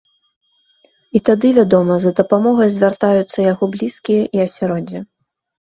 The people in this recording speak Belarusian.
І тады, вядома, за дапамогай звяртаюцца яго блізкія і асяроддзе.